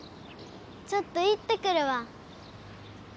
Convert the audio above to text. ちょっと行ってくるわ。